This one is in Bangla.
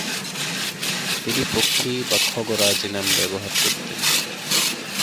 তিনি পক্ষী বা খগরাজ নাম ব্যবহার করতেন।